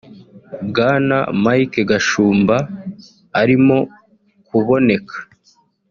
Bwana Mike Gashumba arimo kuboneka